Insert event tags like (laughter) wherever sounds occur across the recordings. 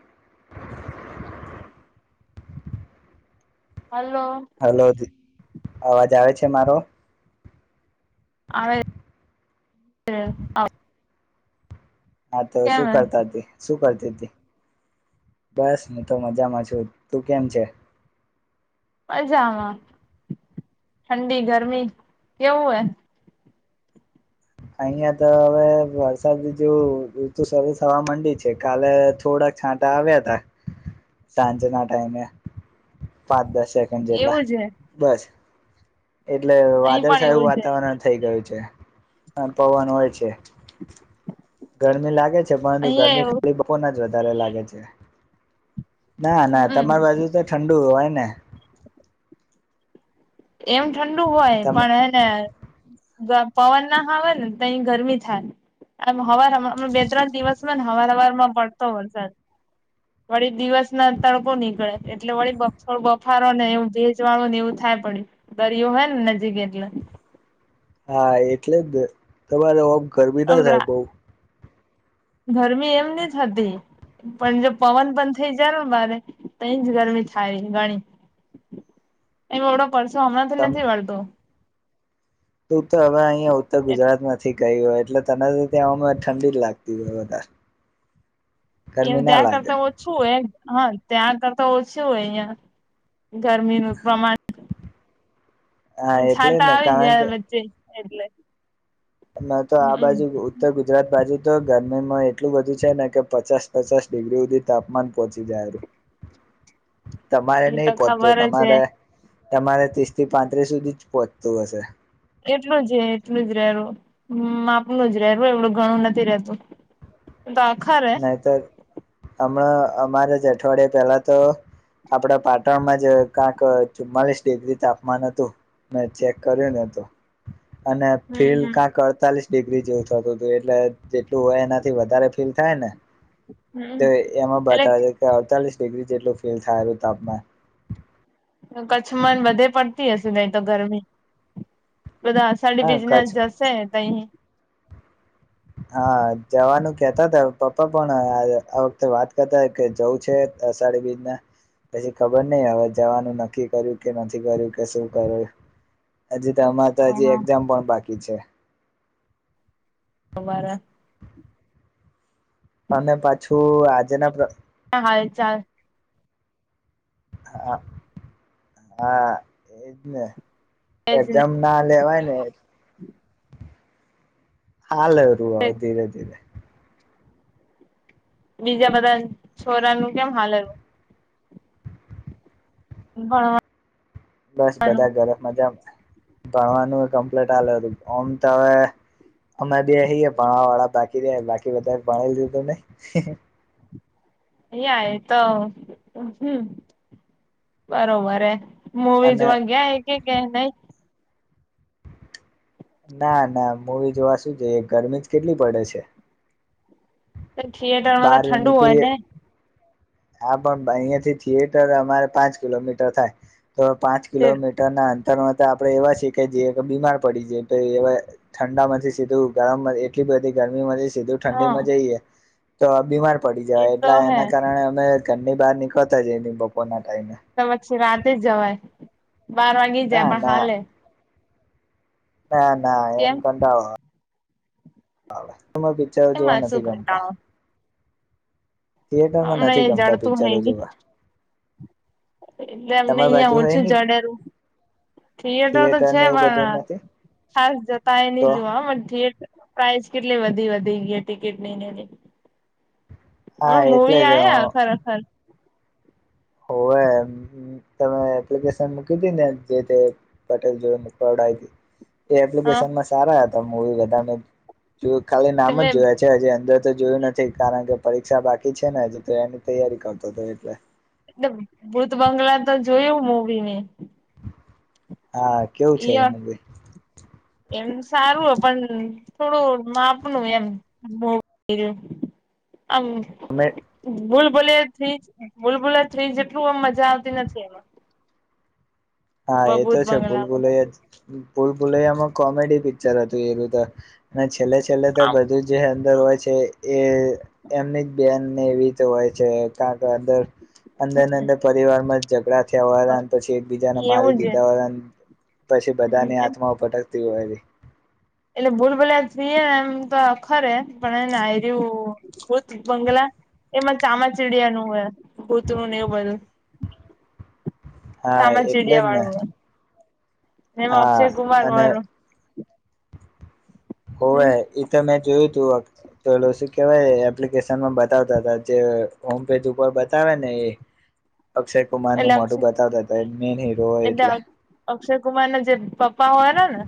(unintelligible) Hello hello અવાજ આવે છે મારો હવે હા તો શું કરતા હતી શું કરતા બસ હું તો મજામાં છું તું કેમ છે મજામાં ઠંડી ગરમી કેવું હોય અહિયાં તો હવે વરસાદ જેવું ઋતુ સરસ થવા માંડી છે કાલે થોડા છાટા આવ્યા હતા સાંજ ના ટાઈને પાંચ દસ સેકન્ડ હે જેટલા એવું જ હે બસ એટલે અહી પણ વાદળછાયું એવું જ હે વાતાવરણ થઈ ગયું છે પવન હોય છે હ ગરમી લાગે છે પરંતુ ગરમી ખાલી બહન જ વધારે લાગે છે ના ના હમ તમારી બાજુ તો ઠંડુ હોય ને એમ ઠંડુ હોય તમ પણ એને પવન ના આવે ને તો અહી ગરમી થાય ને હવાર બે ત્રણ દિવસ માં ને હવાર હવાર માં પડતો વરસાદ વળી દિવસ ના તડકો નીકળે એટલે વળી થો બફારો ને એવું ભેજ વાળો ને એવું થાય પડ્યું દરિયો હોય ને નજીક એટલે હા એટલે જ તમારે ગરમી આમ ના થાય બઉ ગરમી એમ ની હતી પણ જો પવન પણ થઈ જાય ને મારે તો એ જ ગરમી થાય ગણી એ બવડો કરશો હમણાં થી તમ નથી વળતો તું તો હવે અહીિયાંયા ઉત્તર ગુજરાત માંથી ગઈ હોય એટલે તને ત્યાં ઠંડી જ લાગતી હોય વધારે એમ ગરમી ના ત્યાં લાગે કરતા ઓછું હોય હા ત્યાં કરતા ઓછું હોય અહં ગરમી પ્રમાણ હા એટલે છાટા ને આવી જ કારણ વચ્ચે એટલે ના તો આ હમ બાજુ ઉત્તર ગુજરાત બાજુ તો ગરમીમાં એટલું બધું છે ને કે પચાસ પચાસ ડિગ્રી સુધી તાપમાન પહોંચી જાયું (unintelligible) તમારે એ તો નહી પોહતું ખબર જ છે તમારે તમારે ત્રીસ થી પાંત્રીસ સુધી જ પહોંચતું હશે એટલું જ એટલું જ રહેું માપનું જ રહેું એવડું ઘણું નથી રતું તો આખરે નહીતર હમણાં અમારા જ અઠવાડિયાયે પેલા તો આપડા પાટણમાં જ ક્યાંક ચુમ્માલીસ ડિગ્રી તાપમાન હતું મે ચેક કર્યો ને તો અને હમ ફીલ હમ કઅંક અડતાલીસ ડિગ્રી જેવું થતું હતું એટલે જેટલું હોય એનાથી વધારે ફીલ થાય હમ તો એમાં એટલે બતાવે છે કે અડતાલીસ ડિગ્રી જેટલું ફીલ થયેલું તાપમાન કચ્છમાં વધારેપડતી હશે નઈ તો ગરમી બધા સાડી હા બિઝનેસ કચ્છ જશે તોહી હા જવાનું કેતા હતા પપ્પા પણ આ વખતે વાત કરતા કે જવું છે સાડી બીજને પછી ખબર નહી હવે જવાનું નક્કી કર્યું કે નથી કર્યું કે શું કર્યું હજી તો અરે તો હજી હા. એક્ઝામ પણ બાકી છે બવારા અને પાછું આજેના હાલ ચાલ હા હા એજ ને એજ ને એક્ઝામ ના લેવાય ને હા લવ રુવા ધીરે ધીરે બીજા બધા છોરાનું કેમ હાલનુંું બ બસ બધા ઘરે મજા ભણવાનું કમ્પ્લીટ ચાલે ઓમ તો હવે અમે બી ભણવા વાળા બાકી રહે બાકી બધા ભણી લીધું નહી એ તો હમ બરોબર મુવી અને જોવા ગયા હ કે નહી ના ના મૂવી જોવા શું જઈએ ગરમી જ કેટલી પડે છે થિયેટરમાં તો બહાર ઠંડુ હોય નીકળીએ ને હા પણ અહિયાં થી થિયેટર અમારે પાંચ કિલોમીટર થાય તો પાંચ કિલોમીટરનાંત તારમાં આપણે એવા છીએ કે જે બીમાર પડી છેાય એ ઠંડામાંથી સીધું ગરમ એટલી બધી ગર સીધું ઠંડી હા માં જઈએ તો આ બીમાર પડી એ જવાય તો એટલે હે એના કારણે અમે ઘરની બહાર નીકળતા જ બપોરના ટાઈમે તો પછ રાતે જ જવાય બાર વાગી જાય ના પણ ના હાલે હે ના ના એમ કેમ કતા માં પિક્ચર જોવા એમાં શું નથી ગમતા કંટાળો થિયેટર માં હમણાં નથી એ ગમતા જડતું પિક્ચરો હોય જોવા એટલે અમને તમારી બાજુ અહિયાં હોય ઓછું ને જડે થિયેટર તો છે ને એવું પણ બધું નથી ખાસ જતા એ નહી તો જોવા થિયેટર પ્રાઇઝ કેટલી વધી વધી ગયા ટિકિટ લઈને હા અમે એટલે મૂવી જ આ્યા ખરેખર હોવે તમે એપ્લિકેશન મૂકી હતી ને જે તે પટેલ જોડ એ હા એપ્લિકેશનમાં સારા હતા મુવી બધાને ખાલી નામ તમે જ જોયા છે અંદર જોયું નથી કારણ કે પરીક્ષા બાકી છે ને એની તૈયારી કરતો હતો એટલે ભૂત બંગલા તો જોયું મવીને હા કેવું છે એ યા મૂવી એમ સારું હો પણ થોડું માપનું એમ મોું હમ તમે બલ બુલબોલે થ્રી બૂલબુલે થ્રી જેટલું એમ મજા આવતી નથી એમાં હા એ તો ભૂત છે ભૂલ બંગલામાં ભૂલ ભૂલ ભુલૈયામાં કોમેડી પિક્ચર હતું એનું તો અને છેલ્લે છેલ્લે તો બધું જે અંદર હોય છે એ એમની જ બેનને એવી હોય છે ક કે અંદર અંદર ને અંદર પરિવારમાં ઝઘડા થયા હો પછી એકબીજાને મારી દીધા હોય‌ એ હ હોય એટલે ભૂલ ભોલ્યા ફ્રીએને એમ તો ખરે પણ એનેયર્યું ભુત બંગલા એમાં ચામાચિડિયા નું હો કૂતરું ને એવું બધું હા એટલે સામાજીડિયા જ ને વાળું એમ અક્ષય હા કુમાર અને વારૂ હો હ એ તો મેં જોયું શું પેલો શું કેહેવાય એપ્લિકેશન માં બતાવતા હતા જે હોમ પેજ ઉપર બતાવે ને એ (inaudible) અક્ષય કુમાર નું એટલે અક્ષ મોઢુ બતાવતા હતા એ મેન હીરો હોય એટલે અક્ષય કુમાર ના જે પપ્પા હોય ને ને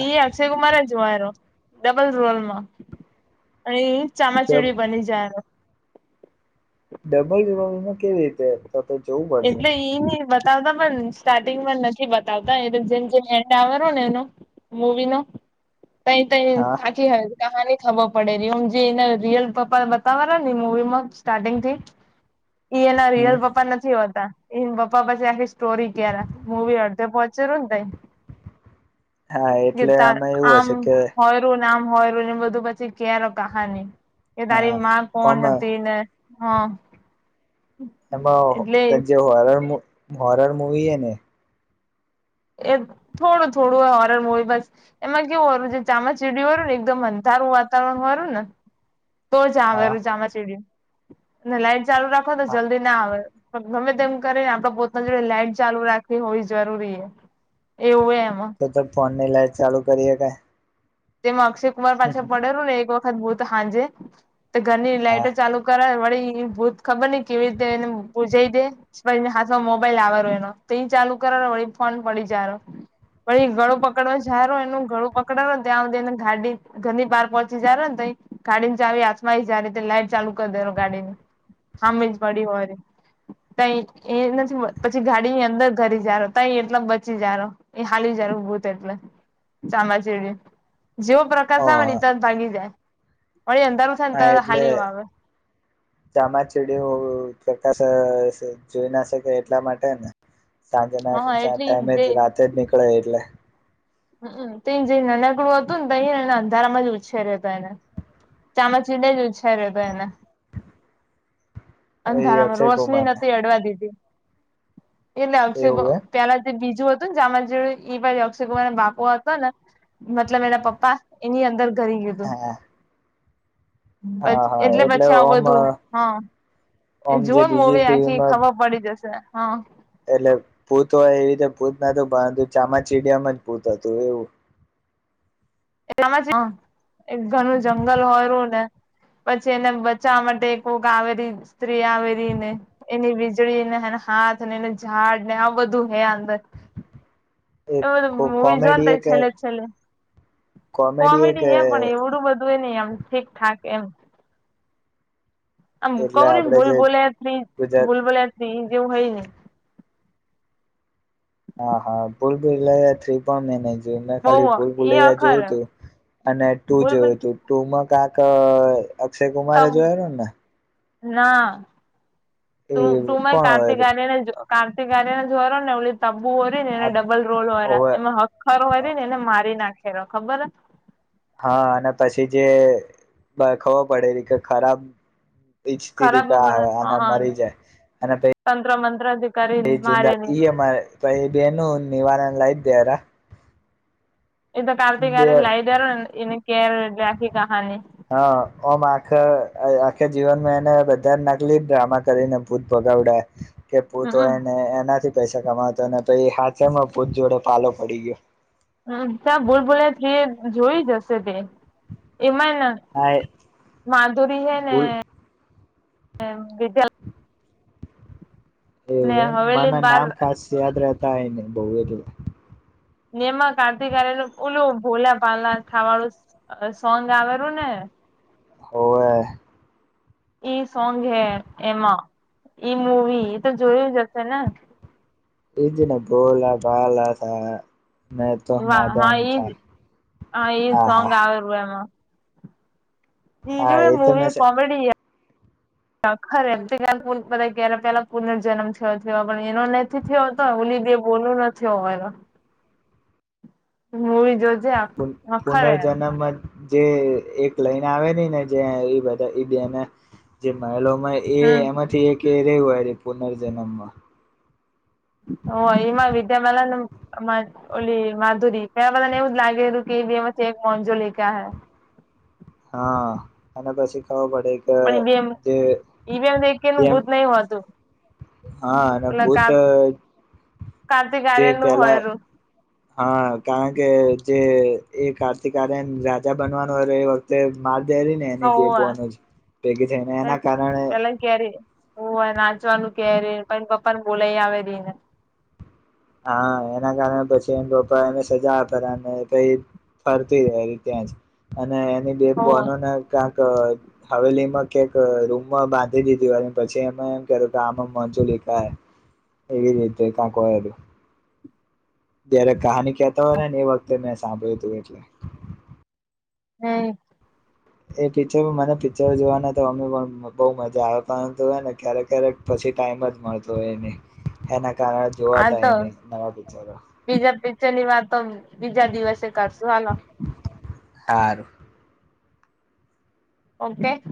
એ અક્ષય કુમાર જ મારો ડબલ રોલમાં અઈ ચમાચેડી બની જાય ડબલ રવામાં કેવી રીતે? તો તો જોવું પડશે એટલે એઈ ન બતાવતા પણ સ્ટાર્ટિંગમાં નથી બતાવતા એટલે જેમ જેમ એન્ડ આવેનો ને એનો મૂવી નો તઈ તઈ હા આખી હ કહાની ખબર પડે ર ઓમ જે એને રિયલ પપ્પાને બતાવાના ને મુવી માં સ્ટારિંગ થી ના હમ રિયલ પપ્પા ન એને પપા પછી આખી સ્ટોરી ક્યારે મવી અડધે પહોંચેું ને તઈ હા એટલે ગીતાર આમાં એવું આમ હશે કે હોય રુંને આમ હોય રું ને બધું પછી કાર કહાની કે તારી માં કોણ આમ હતી ને હા એટલે એમાં જે હોર હોરર મુવી હ ને એ થોડું થોડું ઓરર હોય બસ એમાં કેવું હો છે ચામચીડી હોરું ને એકદમ અંધા સારું વાતાવરણ વારું ને તો જ આવે હા એમ ચામાચીડી અને લાઈટ ચાલુ રાખો તો હા જલ્દી ના આવે ગમે તેમ કરી ને આપડ પોતના જોડે લાઈટ ચાલુ રાખવી હોવી જરૂરી એવું એ તો તો ફોન ની લાઈટ ચાલુ કરીએ કે તેમાં અક્ષય કુમાર પાછા પડેલું ને એક વખત ભૂત હાજે તો ઘરની હા લાઈઇટર ચાલુ કરાય વળી ભૂત ખબર નહ કેવી રીતે એને પુજાઈ દે પણ હાથમાં મોબાઈલ આવવારો એનો તો એ ચાલુ કર વળી ફોન પડી જાર પણ એ ગળું પકડવા જારો એનું ગળું પકડો ત્યાને ગાડી ગંધની પાર પહોંચી જ ને ત ગાડી ને ચાવી આસમા જ ર લાઈટ ચાલુ કરી દે ગાડીને હામે જ પડી હોય ત એ નથી પછી ગાડી ની અંદર ઘરી જારો ત એટલા બચી જાર એ હા બજારું ભૂત એટલે ચમાાચેડી જેવો ઓ પ્રકાશ આવે ને ત જ ભાગી જાય વળી અંધારું થાય ને હા તરત એટલે હાલ્યું આવે ચામાચીડિયું શ શ જોઈ ના શકે એટલા માટે ને સાંજે ના હા એટલી ટાઈમે જ રાતે જ નીકળે એટલે હમ તો જે નાનકડું હતું ને તોને એને અંધારામાં જ ઉછેર્યો હતો એને ચામચીડા લેજ ઉ છે રે તો એને એ અંધારામાં અક્ષય રોશની કુમાર ને નથી અડવા દીધી એટલે હશે એવું એ પેલા જે બીજ હતું જે પણ અક્ષય કુમાર બાપુ હતો ને મતલબ એના પપ્પા એની અંદર કરી ગીયુ હતુ હા પ હા હા એટલે પછી આવું ઓમ બધું હ એ ઓમ જે જોવાનું બીજી મોવે આખી ટીવીમાં ખબર પડી જશે હા એટલે ભૂત હોય એવી રીતે ભૂત નતું પરંતુ ચામાચીડયમ જ ભૂત હતું એવું એ એક ઘરનું જંગલ હોયું ને પછી એને બચાવવા માટે એક કોક આવેલી સ્ત્રી આવેલી ને એની વીજળી ને હે હાથ ને ઝાડ ને આ બધું હે અંદર એ એવ બધું મવી જો વાન કોમેડી થાય કે છેલ્લે છેલે કોમેડી હે પણ એવડું બધું નહી એમ ઠીકઠાક એમ આમ એટલે કવરીમ આપડે ભૂલ જે બોલ્યા ગુજરાત ભૂલ બોલ્યા જેવું હય ને હા હા ભૂલ ભલા થ્રી પણ મેને જો યુ મેં ખાલી બહુ ભૂલ એ ભૂલૈયા અખર જોયું હતું અને ટુ ભૂલ ભૂલ જોયું હતું ટુમાં ક્યાંક અક્ષય કુમારે જોયાેલો ને ના એ તું મા કોણ હોય કાર્તિક આર્યન જો કાર્તિક આાર્યને જોરો ને તબુ હોરી ને એને ડબલ રોલ હોવે એમાં હખર હોરી ને એને મારી નાખી ખે ખબર હા અને પછી જે ખબર પડેલી કે ખરાબ ઈચ્છતી હતી ખરાબ તારે મરી જાય તંત્ર મંત્ર થી કરી (inaudible) મારેલી એમ ભાઈ બહેનનું નિવાારણ લાયદ્યાર તો કાર્તિક આર્યન લઈદ્યાર હા ઓમ આખ જીવનમાં એને બધા નકલી ડ્રામા કરીને ભૂત ભગાવડાય કે ભૂત હમમ હોય ને એનાથી પૈસા કમાતો ને પછી હાથે માં છેમાં ભૂત જોડે પાલોો પડી ગયો હમ ત્યાં ભૂલ ભૂલે તે જોઈ જશે તે એમાં હા એ માધુરી હૈ ને (inaudible) ભૂલ ને એવું એમ હવેલી મના બાર નામ ખાસ યાદ રહેતા હોય ને બહ એટલે નેમાં કાર્તિક આર્યન ઓલું ભોલા પાલા ખાવાળું સોંગ આવેલું ને (inaudible) હોવે એ સોંગ હે એમાં ઈ મુવી એ તો જોયું જ હશે ને એજના બોલા ભલા સા મેં તો વાહ હા માદાન ઈજ થા ઈ હા સોંગ હા આવેલું એમાં હા બીજું એ તો મૂવી મેં કોમેડી છે ખર એમ (unintelligible) ક ક્યારે પેલા પુનર્જન્મ થયો થયો પણ એનો નથી થયો હતો બોલું નથી હોવા મુવી જો પુન પુનર્જન્મ જે એક લઈને આવેલી જે એ ડાયલોગ એ હમ એમાંથી એક એ રહ્યું પુનર્જન્મમાં (inaudible) હા એમાં વિદ્યાપાલન અને માધુરી એવું જ લાગેલું મોનજો લે ક હૈ હા અને પછી ખબર પડી પણ ઈવીમનું જેમ ભૂત નહીં હોતું હા અને ભૂત ઓલાકાર જે પેલા હા કારણ કે જે એ કાર્તિક આર્યન રાજા બનવાનું એ વખતે હોવે (inaudible) ભેગી થને એના કારણે પેલા કેરી હું નાચવાનું કેરી પ પપ્પા ને બોલા આવે રહી ને (inaudible) હા એના કારણે પછી એ પપ્પા એને સજા આપ્યા કરે ફરતી રહે એ ત્યાં જ અને એની બે હોવે બોનોને ક હવેલીમાં કક રૂમમાં બાંધી દીધી અને પછી એમાં એમ કર કે આમાં મજુ લી (inaudible) એવી રીતે કકું જયારે કહાની કેતો હોયને એ વખતે મેં સાંભળ્યું અતું એટલે. હમ. એ પિક્ચરો મને પિક્ચર જોવાના તો અમે પણ મ બૌ મજા આવે પરંતુ હને ક્યારેક ક્યારેક પછી. એ ટાઈમ જ મળતો હોય એને એના કારણે આ જોવાતા એને નવા પિક્ચરો. ચ્ચેની વાતતો બીજા દિવસે કરશુ હાલો. હારૂ. ઓમટેક.